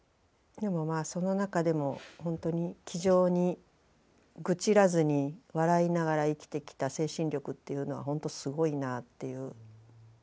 でもまあその中でもほんとに気丈に愚痴らずに笑いながら生きてきた精神力っていうのはほんとすごいなっていう。